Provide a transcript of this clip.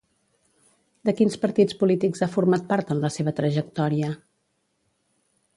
De quins partits polítics ha format part en la seva trajectòria?